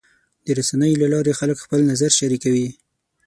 د رسنیو له لارې خلک خپل نظر شریکوي.